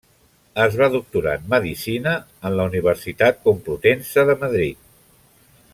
Es va doctorar en Medicina en la Universitat Complutense de Madrid.